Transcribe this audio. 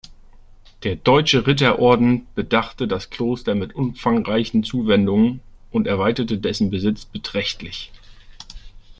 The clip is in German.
Der Deutsche Ritter-Orden bedachte das Kloster mit umfangreichen Zuwendungen und erweiterte dessen Besitz beträchtlich.